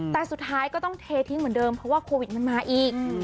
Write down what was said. แต่สุดท้ายก็ต้องเททิ้งเหมือนเดิมเพราะว่าโควิดมันมาอีก